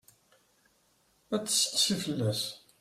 Ad tesseqsi fell-as.